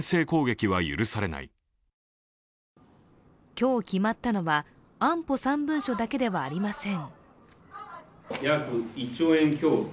今日決まったのは安保３文書だけではありません。